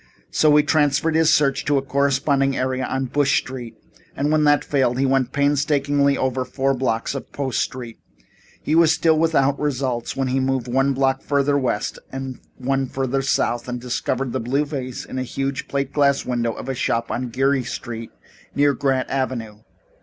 So he transferred his search to a corresponding area on Bush Street, and when that failed, he went painstakingly over four blocks of Post Street. He was still without results when he moved one block further west and one further south and discovered the blue vase in a huge plate glass window of a shop on Geary Street near Grant Avenue.